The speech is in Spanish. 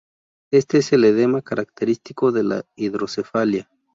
Este es el edema característico de la hidrocefalia.